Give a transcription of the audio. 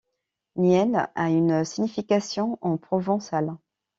Niel a une signification en provençal.